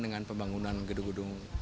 dengan pembangunan gedung gedung